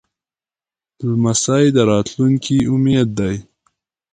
لمسی د راتلونکي امید دی.